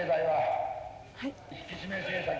はい。